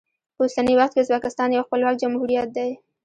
په اوسني وخت کې ازبکستان یو خپلواک جمهوریت دی.